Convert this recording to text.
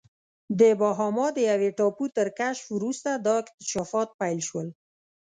د باهاما د یوې ټاپو تر کشف وروسته دا اکتشافات پیل شول.